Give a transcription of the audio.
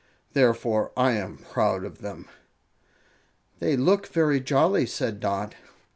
Therefore I am proud of them." "They look very jolly," said Dot.